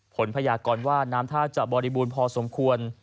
พยากรว่าน้ำท่าจะบริบูรณ์พอสมควร